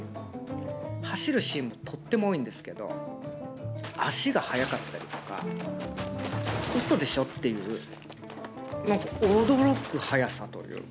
走るシーンもとっても多いんですけど、足が速かったりとか、うそでしょ？っていう、なんか驚く速さというか。